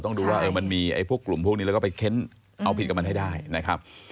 ดูว่ามันมีพวกกลุ่มพวกนี้แล้วก็ไปเค้นเอาผิดกับมันให้ได้นะครับ